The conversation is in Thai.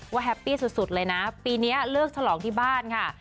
แฮปปี้สุดเลยนะปีนี้เลิกฉลองที่บ้านค่ะ